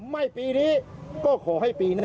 ไม่ปีนี้ก็ขอให้ปีนั้น